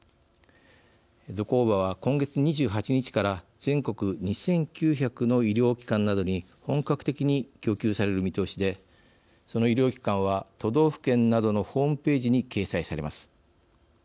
ゾコーバは、今月２８日から全国２９００の医療機関などに本格的に供給される見通しでその医療機関は、都道府県などのホームページに掲載されます。